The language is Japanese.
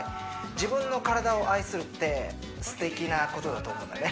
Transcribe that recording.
自分の体を愛するって素敵なことだと思うんだよね